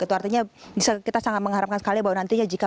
itu artinya kita sangat mengharapkan sekali bahwa nantinya